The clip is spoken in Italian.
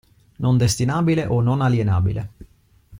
Non destinabile o non alienabile.